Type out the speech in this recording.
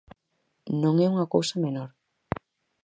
Non é unha cousa menor.